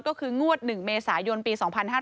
ก็คืองวด๑เมษายนปี๒๕๕๙